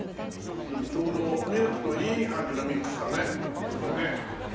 でもちょうどミルクといい感じのミックスだねこれね。